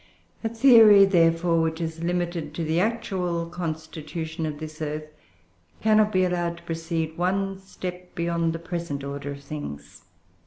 A theory, therefore, which is limited to the actual constitution of this earth cannot be allowed to proceed one step beyond the present order of things."